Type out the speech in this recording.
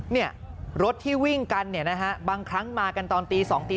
นี่รถที่วิ่งกันบางครั้งมากันตอนตี๒๓